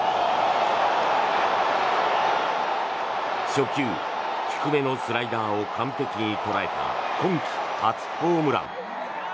初球、低めのスライダーを完璧に捉えた今季初ホームラン。